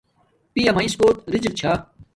پیا میس کوٹ رزق چھا